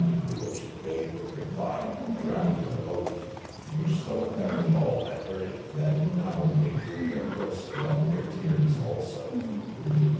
To which the babe would reply, drowned in the boat; which so affected all that heard it, that it not only drew their purse but their tears also.